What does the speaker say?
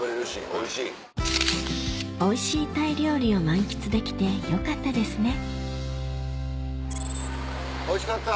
おいしいタイ料理を満喫できてよかったですねおいしかった。